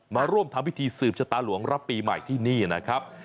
มาร่วมทำพิธีสืบชะตาหลวงรับปีใหม่ที่นี่นะครับ